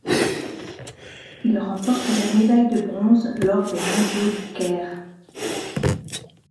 Il remporte la médaille de bronze lors des Mondiaux du Caire.